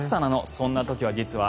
そんな時は実は